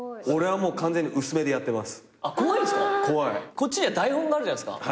こっちには台本があるじゃないっすか。